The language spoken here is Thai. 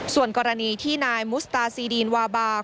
ส่วนกรณีที่นายมุสตาซีดีนวาบา